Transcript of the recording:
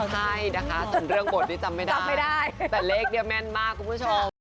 ใช่นะคะส่วนเรื่องบทนี้จำไม่ได้แต่เลขเนี่ยแม่นมากคุณผู้ชม